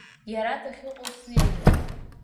Иара дахьыҟоу снеиуеит.